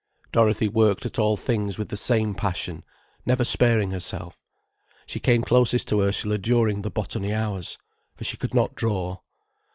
Dorothy worked at all things with the same passion, never sparing herself. She came closest to Ursula during the botany hours. For she could not draw.